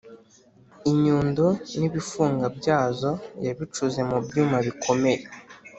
Inyundo n ibifunga byazo yabicuze mubyuma bikomeye